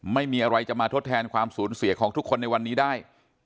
ไม่มีอะไรจะมาทดแทนความสูญเสียของทุกคนในวันนี้ได้